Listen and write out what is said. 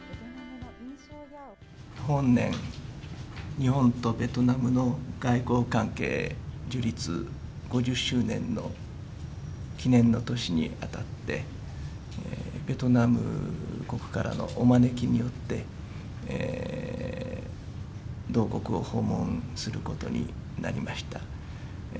本年、日本とベトナムの外交関係樹立５０周年の記念の年にあたって、ベトナム国からのお招きによって、同国を訪問することになりました。